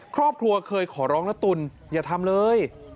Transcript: ครอบครัวเคยขอร้องนะตุ๋นอย่าทำเลย